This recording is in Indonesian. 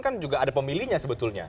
kan juga ada pemilihnya sebetulnya